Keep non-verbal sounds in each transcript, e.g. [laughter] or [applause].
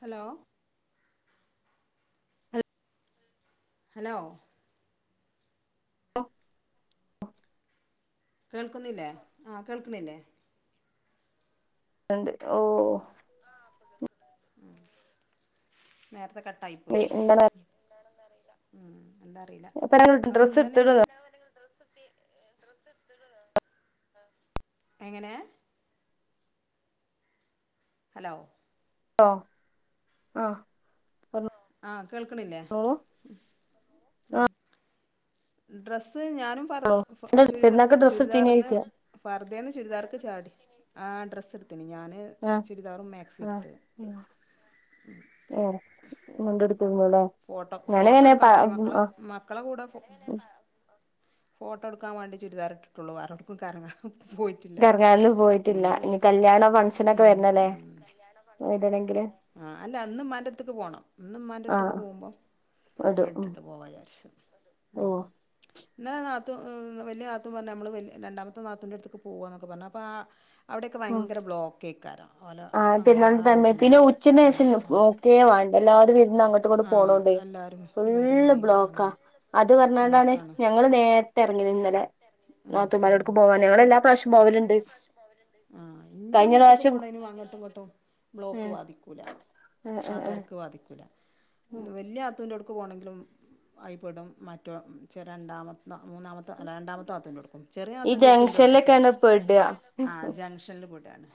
Hello hello hello hello കേൾക്കുന്നില്ലേ ആ കേൾക്കണില്ലേ കണ്ട് ഓഹ് ഉം നേരത്തെ കട്ടായി പോയി എന്താണ് ഉം എന്താ അറിയില്ല ഇപ്പ അത് ഡ്രസ്സ് ഇന്നലെ എടുത്തിടുന്നോ [unintelligible] എങ്ങനെ ഹലോ ഹലോ ആഹ് ആഹ് കേൾക്കണില്ലേ ആ ഡ്രസ്സ് ഞാനും പറ ചുരിദ പെരുന്നാക്ക് ഡ്രസ്സ് ചുരിദാറിന്ന് എടുത്തീനോയ്ക്ക ഫർദേന്ന് ചുരിദാർക്ക് ചാടി ആ ഡ്രസ്സ് എടുത്തിണ് ഞാന് ആ ചുരിദാറും മാക്സിം എടുത്ത് ഉം മുണ്ടെടു [unintelligible] ഫോട്ടോ ഫോട്ടോ എടുക്കാൻ വേണ്ടി മക്കള് മ മക്കളെ കൂടെ ഫോട്ടോ എടുക്കാൻ വേണ്ടി ചുരിദാറി ഇട്ടിട്ടുള്ളൂ [unintelligible] പോയിട്ടില്ല കറങ്ങാനൊന്നും പോയിട്ടില്ല ഇന്ന് ഇനി പോമ്പം കല്യാണ ഫംഗ്ഷനൊക്കെ ഉം വരണല്ലേ ഉം ഇടണെങ്കില് ആ അല്ല അന്നും ഉമ്മാൻ്റടുത്ത്ക്ക് പോണം അന്നും മ ആ ത്തക്ക് പോകുമ്പോ ഇടും ഉം ഇട്ടിട്ട് പോവാ വിചാരിച്ചു ഓ ഇന്നലെ നാത്തൂ വലിയ നാത്തും പറഞ്ഞ് നമ്മള് രണ്ടാമത്തെ നാത്തൂൻ്റെ അടുത്തേക്ക് പോകാന്നൊക്കെ പറഞ്ഞു അപ്പൊ ആ അവിടെയൊക്കെ ഉം ഭയങ്കര ബ്ലോക്കേക്കാരം ഓലോ ആ പിന്ന തന്നെ പിന്നെ ഉച്ച ലേശം നോക്കേ വേണ്ട എല്ലാരും വിരുന്ന് അങ്ങോട് ആ എല്ലാരും വരും ചെയ്യും ബ്ലോക്കാ അങ്ങനെ അത് ബ്ലോക്കാ പറഞ്ഞോണ്ടാണ് ബ്ലോക്കാണ് അത് ഞങ്ങള് നേരത്തെ ഇറങ്ങിത് ഇന്നലെ നാത്തുമ്മാലൊടുക്ക് പോവാൻ ഇറങ്ങീക്ക്ണ് ഞങ്ങളെല്ലാ കുറച്ച് പ്രാവശ്യം പോവലിണ്ട് [unintelligible] ആഹ് എന്റെ വീട്ട്ക്ക് പോണേന് വാങ്ങോട്ടും ഇങ്ങോട്ടും ബ്ലോക്ക് ഉം വാതിക്കൂല ഉം ആ ഉം ഉം തിരക്ക് ബാതിക്കൂല ഉം വലിയ നാത്തൂന്റടുക്ക് പോണമെങ്കിലും ആയിപെടും മറ്റോ രണ്ടാമത്തെ മൂന്നാമത് രണ്ടാത്തെ നാത്തുന്റെടുക്കും ചെറിയ ഈ ആന്റടുക്കുംക്കെ ജംഗ്ഷനിലൊക്കെയാണ് പെടുക ആ ജംഗ്ഷനിൽ പെടാണ്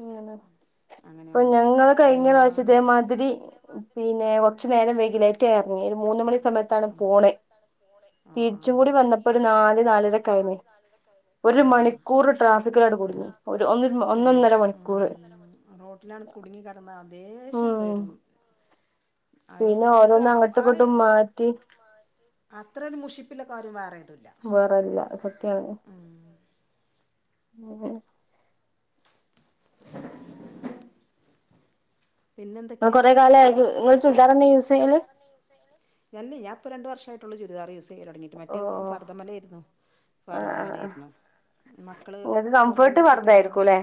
ഉം ഇപ്പൊ അങ്ങനെയാവുമ്പോ ഞങ്ങള് കഴിഞ്ഞ പ്രാവശ്യം എന്താണ് ഇതേമാതിരി പിന്നെ കൊറച്ചു നേരം വൈകി ലേറ്റ് ആയി ഇറങ്ങി ഒരു മൂന്നു മണി സമയത്താണ് പോണേ ആഹ് തിരിച്ചും കൂടി ആഹ് വന്നപ്പോ ഒരു നാല് നാലര കഴിഞ്ഞ് ഒരു മണി കൂറ് ട്രാഫിക്കിലാട്ട് കുടുങ്ങി ഒരു കുടുങ്ങി കുടുങ്ങി ഒന്നൊന്നര മണിക് റോട്ടിലാണ് കുടുങ്ങി കിടന്ന ദേഷ്യം ഉം വരും അത് പിന്നോരോന്ന് അങ്ങോട്ടും ഇങ്ങോട്ടും മാറ്റി അത്രരു മുഷിപ്പില കാര്യം വേറേതൂല്ല വേറേല്ല സത്യാണ് ഉം പിന്നെന്തൊക്കെ കുറെ കാലായിട്ട് നിങ്ങള് ചുരിദാറന്നെ യൂസെയ്യല് അല്ല ഞാ ഇപ്പോ രണ്ട് വർഷായിട്ടുള്ളു ചുരിദാറ് യൂസ് ചെയ്യൽ തുടങ്ങിയിട്ട് ഓ മറ്റേത് ഓ ഫർദമേലെയ്ര്ന്നു ആ ആ ആ ഫർദമേലായിരുന്നു മക്കള് നിങ്ങക്ക് കംഫേർട്ട് നിർബന്ധിച്ചിട്ടങ്ങനെ വർധയായിരിക്കുംല്ലേ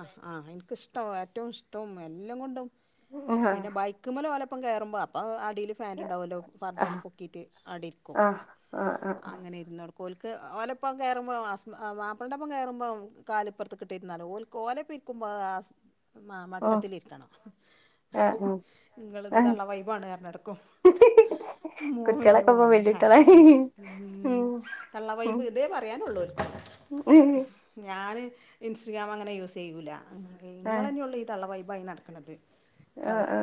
ആഹ് ആഹ് എനിക്കിഷ്ടവാ ഏറ്റവും ഇഷ്ടവും എല്ലാം കൊണ്ടും ആ പിന്നെ ബൈക്ക് കുമ്മേലോലൊപ്പം കേറുമ്പോ അപ്പം അടിയിൽ ഫാന്റ്ണ്ടാവൊല്ലോ ആ പർദാണ്ട് പൊക്കിയിട്ട് അവിടെ ഇരിക്കും ആ ആ ആ അങ്ങനെ ഇരുന്നൊട്ക്കും ഓൽക്ക് ഓലപ്പം കയറുമ്പോ മാപ്പളന്റൊപ്പം കയറുമ്പോ കാലിപ്പുറത്ത് ക്കിട്ടിരുന്നാലോ ഓൽക് കോലപ്പൊയിരിക്കുമ്പോ ആഹ് ആ മട്ടത്തിലിരിക് നിങ്ങളിത് ആ തള്ളവൈബാണ് പറഞ്ഞു നടക്കും മോൻ വല്യ കുട്ടികളൊക്കെ ഇപ്പൊ മോനേ കുട്ടികളായി ഉം തള്ളവൈബ് ഇതേ പറയാനുള്ളൂ ഓർക്ക് ഉം ഞാന് ഇൻസ്റ്റഗ്രാം അങ്ങനെ യൂസ് ചെയ്യൂല്ല ആ നിങ്ങൾ തന്നെയുള്ളൂ ഈ തള്ളവൈബായി നട ക്ക്ണത് ആ തള്ള ആ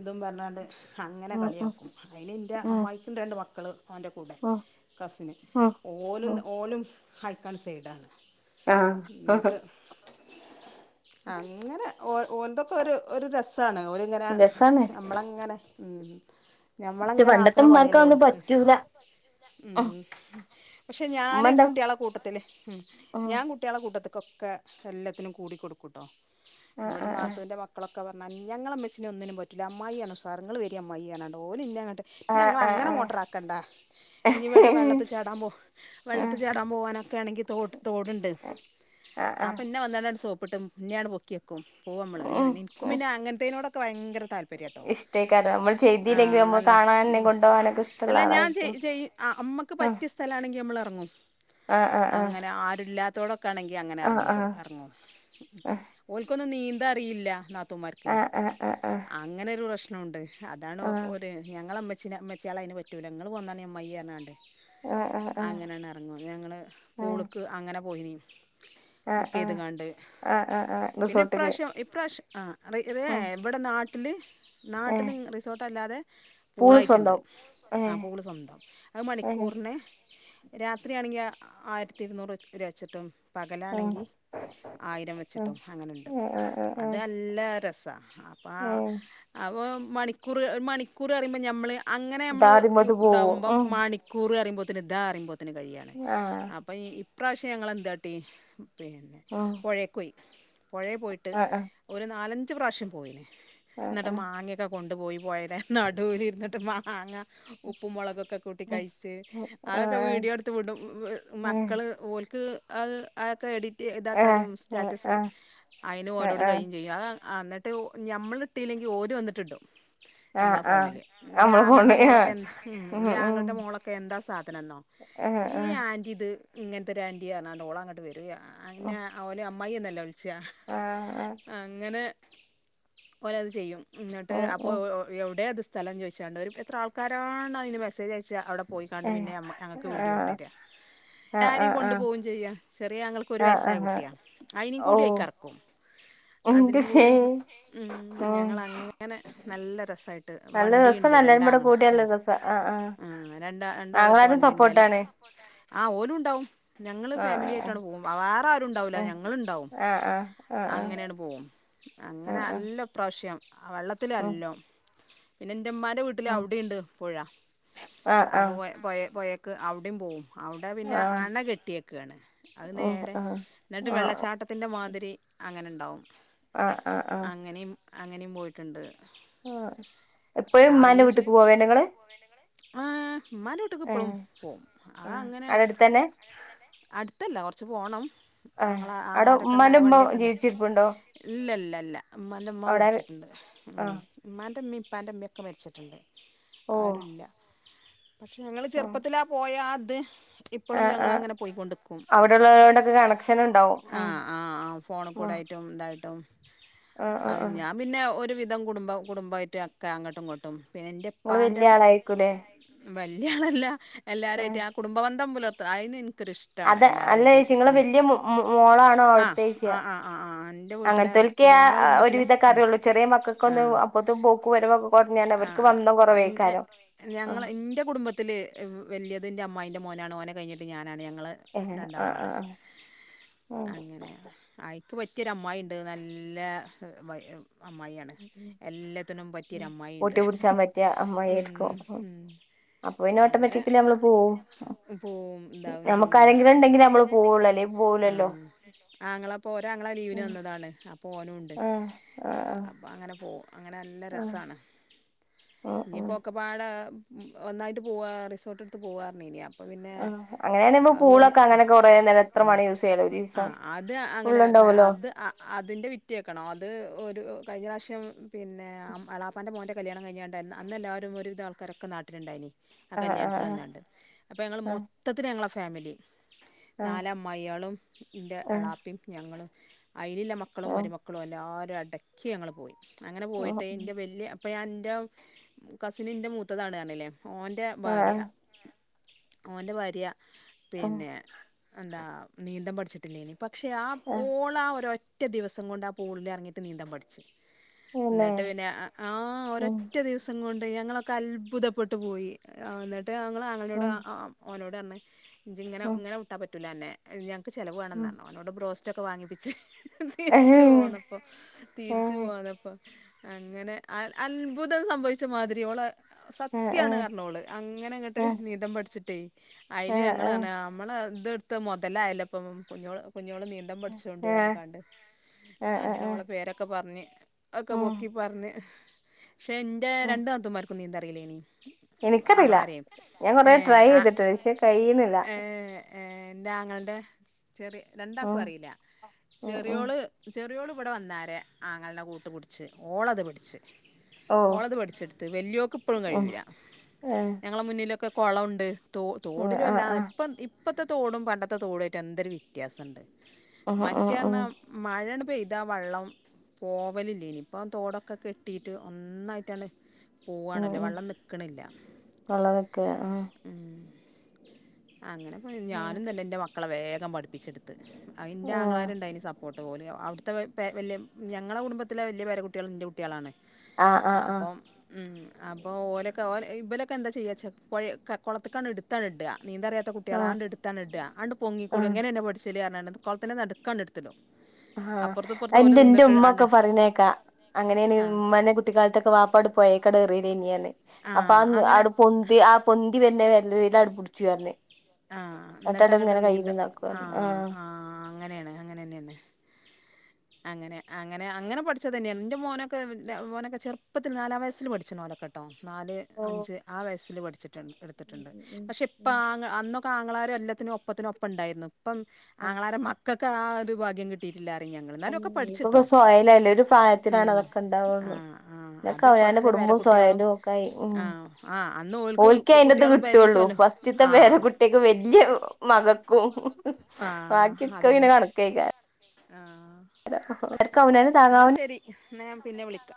ഇതും പറഞ്ഞാണ്ട് അങ്ങനെ ഉം ഉം കളിയാക്കും അയിന് ഇൻ്റെ ഉം അമ്മായിക്കുണ്ട് രണ്ട് മക്കള് അവൻ്റെ കൂടെ ഉം കസിന് ഉം ഓലും ഉം ഓലും അയിക്കാണ്ട് സൈഡാണ് ആഹ് എന്നിട്ട് അങ്ങനെ ഓൽ ഇതൊക്കെ ഒരു ഒരു രസമാണ് ഒരു അങ്ങനെ രസാണ് നമ്മളെങ്ങനെ ഉം പക്ഷെ ഞമ്മളങ്ങനെ പണ്ടത്തെ ആക്ക്ണ ഉമ്മാർക്ക് പണിയല്ലേ അതൊന്നും ഓൽക്ക് പറ്റൂല ഉം പക്ഷെ ഉമ്മ ഞാന് എന്താ കുട്ടികളെ കൂട്ടത്തില് ഉം ഞാൻ കുട് കുട്ടികളെ കൂട്ടത്ത്ക്കൊക്കെ എല്ലാത്തിനും കൂടി കൊടുക്കൂട്ടോ ആ ഇവിടെ ആ ആ നാത്തൂന്റെ മക് മക്കളൊക്കെ പറഞ്ഞാ ഞങ്ങളെ ഇമ്മച്ചിനെ ഒന്നിനും പറ്റില്ല അമ്മായിയാണ് ഉസാറ് ഇങ്ങള് വരി അമ്മായിയേന്ന് പറഞ്ഞ്കാണ്ട് ഓൽ ഇന്നെ അങ്ങട്ട് ആ ആ ഇന്നെങ്ങൾ ആ അങ്ങനെ ആ മോട്ടറാക്കണ്ട ഇനി ഇവിടെ വെള്ളത്തി ചാടാൻ പോ ആ വെള്ളത്തി ചാടാൻ പോവാനൊക്കെ ആണെങ്കിൽ തോട് തോടുണ്ട് ആ അപ്പൊ ഇന്നെ വന്ന് കാണ്ടാണ്ട് സോപ്പിട്ടും ഇന്നെയാണ്ട് പൊക്കിവെ പോവും മ്മള് ആ ഇൻകും ആ പിന്നെ അങ്ങനത്തേനോടൊക്കെ ഭയങ്കര താല്പര്യാട്ടോ ഇഷ്ടേക്കാരം നമ്മൾ ചെയ്തില്ലെങ്കിൽ ആഹ് നമ്മൾ നല്ല കാണാനെ കൊണ്ടുപോകാനൊക്കെ ഇഷ്ടള്ള അല്ല ഞാൻ ചെയ്യ ആളായിരിക്കും ചെയ് ആഹ് അമ്മക്ക് പറ്റിയ സ്ഥലാണെങ്കിൽ നമ്മളെറങ്ങും ആഹ് ആഹ് ആഹ് അങ്ങനെ ആരുല്ലാത്തോടൊക്കെ ആണെങ്കിൽ അങ്ങനെ ആഹ് ആഹ് എറങ്ങിക്കൊടും എറങ്ങും ഓൽക്കൊന്നും നീന്താൻ അറീല്ല നാത്തൂമാർക്ക് ആഹ് ആഹ് ആഹ് ആഹ് അങ്ങനൊരു പ്രശ്നവുണ്ട് അതാണ് ആഹ് ആഹ് ഓര് ഞങ്ങളെ അമ്മച്ചീനെ ഇമ്മച്ച്യാളെ അയ്ന് പറ്റൂല ഇങ്ങള് പോന്നാണി അമ്മായേന്ന് പറഞ്ഞാണ്ട് ആഹ് ആഹ് ആഹ് അങ്ങനെയാണ് ഇറങ്ങും ഞങ്ങള് പൂള്ക്ക് അങ്ങനെ പോയിനി ആഹ് ബുക്ക് ചെയ്ത്കാണ്ട് ആഹ് ആഹ് ആഹ് പിന്നെ റിസോർട്ട്ക്ക് ഇപ്രാവശ്യം ഇപ്രാവശ്യം ആ ഉം [unintelligible] ഇവിടെ നാട്ടില് ഏഹ് നാട്ടില് റിസോർട്ടല്ലാതെ പൂള് പൂളായിട്ടുണ്ട് സ്വന്തം ഏഹ് ആഹ് പൂള് സ്വന്തം അത് ഏഹ് മണിക്കൂറിന് രാത്രിയാണെങ്കിൽ ആയിരത്തി ഇരുന്നൂറ് രൂപ വെച്ചിട്ടും ആഹ് പകലാണെങ്കിൽ ആയിരം വെച്ചിട് ആഹ് അങ്ങനെണ്ട് ആഹ് ആഹ് അത് ആഹ് നല്ല രസാ അപ്പാ ഏഹ് അപ്പോ മണിക്കൂറ് മണിക്കൂറ് പറയുമ്പോ ഞമ്മൾ അങ്ങനെ ഞമ്മൾ ദാദിമ്മത് പോവും ഇതാകുമ്പോൾ ഉം മണിക്കൂ കൂറ് പറിമ്പോത്തിന് ഇതാ പറിമ്പോത്തിന് കയ്യാ ആഹ് ഇപ്പൊ ഈ ഇപ്രാവശ്യ ഞങ്ങളെന്താട്ടി പിന്നെ ആഹ് പൊഴേക്കോയി പുഴെ പോയിട്ട് ആഹ് ഒരു നാലഞ്ച് പ്രാവശ്യം പോയിണ് ആഹ് ന്നട്ട് ആഹ് മാങ്ങെ ക്കെ കൊണ്ടു പോയി പോഴേടെ നടൂല് ഇര്ന്ന്ട്ട് മാങ്ങ ഉപ്പും മുളകൊക്കെ കൂ ട്ടി കഴിച്ച് ആഹ് അഒക്കെ വീഡിയോ ആഹ് ഇട്ത്ത് വിടും മക്കള് ഓൽക്ക് അഹ് അഒക്കെ എഡിറ്റ് ആഹ് ആഹ് ഇതാക്കാനും സ്റ്റാറ്റസ് ആഹ് അയിന് ആഹ് ആഹ് ഓലോട് കയ്യും ചെ ആ അന്നട്ട് ഞമ്മളിട്ടീല്ലെങ്കി ഓര് വന്നിട്ട് ഇടും ആ ആ ന്റെ ആങ്ങൾന്റെ മോളൊക്കെ എ ഉം ഇന്റെ ഉം ആങ്ങൾന്റെ മോളൊക്കെ എന്താ സാധനന്നോ ആഹ് ഈ ആഹ് ആന്റി ഇദ് ഇങ്ങൻത്തെര് ആന്റിയാ ർഞ്ഞാണ്ട ഓളങ്ങട്ട് വരും ഉം അന്നെ ഓല് അമ്മായിന്നല്ല വി ച്ചാ ആഹ് ആഹ് അങ്ങനെ ഓരത് ചെയ്യും ന്നട്ട് ഉം അപ്പോ ഉം ഓ ഓ എവ്ടെത് സ്ഥലം ചോയിച്ചാണ്ട് ഒര് എത്ര ആൾക്കാരാണ് അയ്ന് മെസ്സേജ് അയ്ച്ച അവ്ടെ പോയിക്കാണ്ട് പിന്നെ ആഹ് ഞമ്മ ഞങ്ങക്ക് വീഡിയോ വിട്ട് തര ആഹ് ആഹ് എല്ലാരിം കൊണ്ട് പോവും ചെയ്യാ ചെറിയ ആങ്ങൾ ക്ക്‌ ഒര് ആഹ് വയസ്സായ ആഹ് ആഹ് കുട്ടിയാ അയ്നിം കൂടി ഓഹ് അയിക്കെർക്കും. അതിനിം എന്റെമ്മേ കൂടിം ഉം ഉം ഞങ്ങള് അങ്ങനെ നല്ല രസായിട്ട് നല്ല രസാണ് വണ്ടിയ്ണ്ട് എല്ലാരും കൂടെ രണ്ടാങ്ങള കൂടിയാ നല്ല രസാ ആഹ് ആഹ് ആ രണ്ടാ രണ്ടാളട്ത്ത് ആങ്ങളാരും വണ്ടിണ്ട് സപ്പോർട്ടാണ് ആ ഓലും ണ്ടാവും ഞങ്ങള് ആഹ് ആഹ് ഫാമിലിയായിട്ടാണ്ട് പോവും വാറെ ആരും ഉണ്ടാവൂല ഉം ഞങ്ങ ഇങ്ങള്ണ്ടാവും ആഹ് ആഹ് ആഹ് ആഹ് അങ്ങനെണ്ട് പോവും. ആഹ് ആഹ് അങ്ങനല്ല ഇപ്രാശം ഉം വെള്ളത്തിലല്ലോ പിന്നെ ന്റെമ്മാന്റെ വ് ട്ടില് ഉം അവ്ടിണ്ട് പൊഴ ആഹ് അപ്പോ ആഹ് പൊയ പൊയ പൊയേക്ക് അവ്ടിം പോവും. അവ്ടെ പിന്നെ ആഹ് അണ കെട്ടിയൊക്കാണ് അത് ഉം നേരെ ആഹ് ന്നട്ട് വെള്ള ആഹ് ട്ടത്തിൻ്റെ മാതിരി അങ്ങനണ്ടാവും ആഹ് ആഹ് ആഹ് അങ്ങനേം അങ്ങനിം പോയിട്ട്ണ്ട്. ആഹ് ഇപ്പയും മ്മാന്റെ വീട്ട്ക്ക് പോവെണ്ടോ ങ്ങള്. ആ മ്മാന്റെ വീട്ട്ക്ക്‌ ഇപ്പളും ഏഹ് പോവും അഹ് ആഹ് അങ്ങനെ അവടെ അടുത്തന്നെ അട്ത്തല്ല കൊർച്ച് പോണം. ഏ ങ്ങള ആങ്ങളാരൊക്കെണ്ടായ വണ്ടിയൊക്കെണ്ട ഇല്ല ല്ല ല്ല മ്മാന്റെ മ്മ അവടെ മര്ച്ച്ട്ട്ണ്ട് ഉം. ആഹ് ഇമ്മാൻ്റെ മ്മീം ഇപ്പാൻ്റെ മ്മീം ഒക്കെ മര്ച്ച്ട്ട്ണ്ട് ഓ ആരുല്ല. പഷേ ഞങ്ങള് ആഹ് ചെർപ്പത്തിലാ പോയാ ആ ത് ഇപ്പളും ഞങ്ങള് അങ്ങനെ പോയ്കൊണ്ട്ക്കും. ള്ളരോടൊക്കെ കണക്ഷ ആ ആ ആ ഫോണു ആഹ് കൂടായ്ട്ടും ഇതായ്ട്ടും ആഹ് ആഹ് അഹ് ആഹ് ഞ പിന്നെ ഒര് വിധം കുടുംബം കുടുംബായിട്ട് അക്ക അങ്ങട്ടും ഇങ്ങട്ടും പിന്നെ നിങ്ങള് ൻ്റെപ്പാൻ്റെ വല്യ ആളായിരിക്കൂല്ലേ വല്യ ആളല്ല ആഹ് എല്ലാരുആയിട്ടെ ആ കുടുംബ ബന്ധം പുലർത്ത അയ്ന് ൻ ക്കരുഷ്ട്ടാണ് അത് അല്ല എല്ലാരുആയ്ട്ട് ചേച്ചി നിങ്ങള് ആ വല്യ മോ മോളാണോ ആ അവിടുത്തേച്ചിയ ആ ആ ആ ആ ന്റെ വീട്ട്ലെ അങ്ങനത്തോൽക്കെ കുടി ഞങ്ങള ആഹ് കുടുംബത്തിലെ ഒരുവിധൊക്കെ അറിയുള്ളൂ ചെറിയ മക്കൾക്കൊന്നും ആഹ് അപ്പത്തും പോക്ക് വരവൊക്കെ കുറഞ്ഞാണ് ആ അവർക്ക് വന്തം ഇൻ എ കുറവേക്കാരം ഞങ്ങള ആഹ് ഇന്റെ കുടുംബ ത്തില് വല്യത് ന്റെ അമ്മായിന്റെ മോനാണ് ഓനെ കഴ്ഞ്ട്ട് ഞാനാണ് ഞങ്ങള് ഏ ആആ ആ അങ്ങനെ അയ്ക്ക് പറ്റിയൊര് അമ്മായിണ്ട് നല്ല വയ് അമ്മായിയാ എല്ലത്തിനും പറ്റിയൊര് ഉം അമ്മായിണ്ട് കൂട്ടി പിടിച്ചാൻ പറ്റിയ ഉം അമ്മായിയായിരിക്കും ഉം അപ്പൊ പിന്നെ ഓട്ടോമാറ്റിക്കലി നമ്മള് പോവും പോവും ഇതാവും ഞമ്മക്ക് ആരെങ്കിലു ണ്ടെങ്കിലെ ഞമ്മള് പോവൊള്ളൂ അല്ലെ പോ ആഹ് ആങ്ങള പ്പൊ ഒരാങ്ങള ലീവിന് ഉം വന്നതാണ് അ പ്പൊനുണ്ട് ആഹ് ആഹ് ആഹ് അപ്പ അങ്ങനെ പോവും അങ്ങനെ നല്ല ആഹ് രസാണ്. ഉം ഉം ഇഞ്ഞിപ്പോ ഒക്കെപ്പാടെ ഒന്നായിട്ട് പോവ റിസോട്ട്ട്ത്ത് പോവാർഞ്ഞിനി അ ആഹ് അങ്ങനെയാണേ മ്മക്ക് പൂളൊക്കെ അങ്ങനെക്കെ കൊറേനേരം എത്ര വാണേ യൂസ് ചെയ്യാലോ ഒരീസം ആഹ അത് അങ്ങനെ ഫുള്ള്ണ്ടാവല്ലോ [unintelligible] അഹ അതിന്റെ വിറ്റ് കേക്കണോ അത് ഒരു കഴിഞ്ഞ [unintelligible] പിന്നെ അമ് എളാ പ്പാന്റെ മോന്റെ കല്യാണം കഴിഞ്ഞാണ്ട് അന്ന് എല്ലാരും ഒരു വിധം ആൾക്കാരക്കെ നാട്ടിലുണ്ടായ്നി ആ ആഹ് കല്യാണത്തിന് ആഹ് വന്നാണ്ട് അപ്പം ഞങ്ങള് ആഹ് മൊത്തത്തിൽ ഞങ്ങളെ ഫാമിലി ആഹ് നാല് അ യാളും ന്റെ ആഹ് എളാപ്പിം ഞങ്ങളും അയ്ല്ള്ള മക്കളും ആഹ് മരുമ ക്കളും എല്ലാരും അടക്കി ഞങ്ങള് പോയി അങ്ങനെ പോയിട്ട് ൻ്റെ വല്യ ഞാൻ ന്റെ കസിന് ഇന്റെ മൂത്തതാണ് പറഞ്ഞില്ലേ ഓന്റെ ആഹ് ആഹ് ഭാര്യ ആഹ് ഉം ഓന്റെ ഭാര്യ ആഹ് പിന്നെ ന്താ നീന്തം പഠിച്ച് ട്ടില്ലെനി പക്ഷേ ആ ആഹ് ഓളാ ആ ഒരൊറ്റ ദിവസം കൊണ്ട് ആ പൂളിലെറങ്ങിട്ട് നീന്താൻ പഠിച്ച്. എന്നിട്ട് പിന്നെ ആഹാ ഉം ഒരറ്റ ദിവ സം കൊണ്ട് ഞങ്ങളൊക്കെ അത്ഭുതപ്പെട്ട് പോയി എന്നിട്ട് ഞങ്ങൾ ആഞളനോട് ഉം ഓനോട് പറഞ് ഇജ് ഉം ഇങ്ങനെ വിട്ടാ പറ്റൂലന്നെ ഞങ്ങൾക്ക് ചിലവ് വേണംന്ന് ഉം പറഞ്ഞു. അവനോട് ബ്രോസ്റ്റൊക്കെ വാങ്ങിപ്പിച്ച് വച്ച് പൊന്ന് അപ്പൊ തിരിച്ചു പോവാന്നപ്പൊ അങ്ങനെ അത്ഭുതം സംഭവിച്ച മാതിരി ഓളെ സത്യാണ് പറഞ്ഞ് ഓൾ അങ്ങനെ അങ്ങോട്ട് നീതം പഠിച്ചിട്ടേ അയില് ഞങ്ങൾന നമ്മള് ഇത്ടുത്ത് മുതലായല്ലപ്പം കുഞ്ഞോൾ കുഞ്ഞോൾ നീന്ത ന്തം പഠിച്ചൊണ്ട് പറഞ്ക്കാണ്ട് അങ്ങനെ ഓളെ പേരൊക്കെ പറഞ് ഒക്കെ പൊക്കി പറഞ് പഷേ ന്റെ രണ്ട് നാത്തൂമാർക്കും നീന്താറിയില്ലേനി. എനിക്കറിയില്ല ആങ്ങളാരെയും ഞാൻ കൊറേ ഏ ട്രൈ ആ ചെയ്തിട്ടുണ്ട് പക്ഷെ കഴിയുന്നില്ല ഏ [unintelligible] [inaudible] എൻ്റെ ആങ്ങളന്റ ചെറി രണ്ടാക്കും ഉം അറിയില്ല ഉം ഉം ചെറിയോള് ചെറിയോൾ ഇവിടെ വന്നരെ ആങ്ങളുടെ കൂട്ട് പിടിച്ച് ഓളത് പിടിച്ച്. ഓഹ് ഓളെത് പഠിച്ചെടുത്ത് വേലിയാള്ക്ക് ഇപ്പോഴും ഉം കഴിയുല്ല ഏഹ് ഞങ്ങളെ മുന്നിലൊക്കെ കൊള്ളമംട് തോ തോടിലും ആഹ് അല്ലാ ആഹ് ഇപ്പം ഇപ്പോഴത്തെ തോടും പണ്ടത്തെ തോടും അയിട്ട് എന്തൊരു വ്യത്യാസുണ്ട്. ഉം ഉം ഉം മറ്റേപറഞ്ഞ മഴണ്ട് പെയ്താ വള്ളം. പോവലില്ലേനു ഇപ്പം തോടൊക്കെ കെട്ടിയിട്ട് ഒന്നായിട്ടാണ്ട് ഉം പോവാണലോ ഉം വെള്ളം നിക്കണില്ല കളറൊക്കെ ആഹ് ഉം അങ്ങനെ ഞാനും തന്നെ എൻ്റെ മക്കളെ വേഗം പഠിപ്പിച്ചെടു ത് യിന്റെ ആഹ് ആങ്ങളാരുണ്ടയിന് സപ്പോർട്ട് [unintelligible] ഞങ്ങളുടെ കുടുംബത്തിലെ വലിയ പേര കുട്ടികൾ എൻ്റെ കുട്ടികളാണ്. ആഹ് ആഹ് അപ്പോം ഹ്മ്മ് അപ്പോ ഓലൊക്കെ ഓല ഇവലൊക്കെ എന്താ ചെയ്യായചാ പുഴ കുളത്തക്കാണ് എടുത്താണ് ഇടുക നീന്തറിയാ ത്തകുട്ടികളെ ആഹ് ആണ്ട് എടുത്താണ്ട് ഇടുക ആണ്ട് പൊങ്ങിക്കോളളം ആഹ് എങ്ങനെെ പഠിച്ചല് പറഞ്ഞാണ്ട് കുളത്തിന്റെ നടുക്ക് എടുത്തിടും. അഹ് അപ്പുറത്ത് ഇപ്പുറത്ത് ഓല് എന്റെന്റെ നിന്നിട്ട് ഉമ്മ ആണ്ട് ഒക്കെ പറീനെകേൾക്ക അങ്ങനെ ആ ഉമ്മാന്റെ കുട്ടിക്കാലത്തൊക്കെ വാപ്പാട് പോഴേക്ക് എറിയലിന്ന്ഞ്ഞ് ആ അപ്പൊ അങ്ങനെ അവിടെ പോ ആ പൊന്തി വരുന്നേ വരൽ അടിപിടിച്ചു പറഞ് ആഹ് എന്നിട്ട് അങ്ങോട്ട് നീന്ത ആഹ് ആഹാ ആഹാ അങ്ങനെയാണ് അങ്ങനെ തന്നെയന്നെ [unintelligible] [inaudible] അങ്ങനെ അങ്ങനെ അങ്ങനെ പഠിച്ചത്തന്നെ എന്റെ മോനൊക്കെ മോനൊക്കെ ചെറുപ്പത്തിൽ നാലാം വയസ്സിൽ പഠിച്ചിന് ഒലോക്കെ- ട്ടോ നാല് ഓഹ് അഞ്ച് ആവയസിൽ പഠിച്ചിട്ടുണ്ട് ഉം എടുത്തിട്ടുണ്ട് ഉം പക്ഷേ ഇപ്പൊ ഉം അന്നോ ആങ്ങളാര് എല്ലത്തിനും ഒപ്പത്തിനൊപ്പം ഒപ്പം ഉണ്ടായിരുന്നു ഇപ്പം ഉം ആങ്ങളാരെ മക്കൾക്ക് ആ ഒരു ഭാഗ്യം കി കിട്ടീട്ടില്ലറിയ ഞങ്ങൾ ഉം എന്നാലൊക്കെ ഇപ്പൊക്കെ പഠിച്ചിട്ടോ സൊയലല്ലേ ഒരു പ്രായത്തിലാണ് ഹ്മ്മ് അതൊക്കെ ഉണ്ടാവുള്ളൂ അഹ് ആഹാ പിന്നൊക്കെ അത് അവനാന്റെ ഫസ്റ്റിലെ പേരെ കുടുംബവും കുട്ടികളും സൊയലും ഒക്കായി ഉം ആഹാ ആഹാ അന്ന് ഓൽക്ക് കുട്ടികളും പേരൻസ്ല്ലോ അഹാ വലിയ മകൾക്കും ബാക്കിയൊക്കെ പിന്നെ കണക്കായിക്കാരം. അഹഹാാ [unintelligible] തങ്ങ എന്നാ ഞാൻ പിന്നെ വിളിക്ക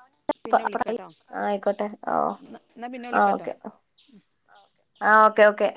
പിന്നെ വിളിക്കട്ടോ ആഹ് ആയിക്കോട്ടെ ഓഹ് എന്നാ പിന്നെ വിളിക്കട്ടോ. അഹാാ ആഹാാ ഓക്കെ ഓക്കേ